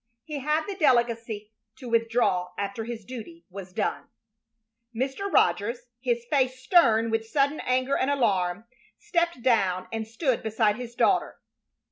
He had the delicacy to withdraw after his duty was done. Mr. Rogers, his face stern with sudden anger and alarm, stepped down and stood beside his daughter.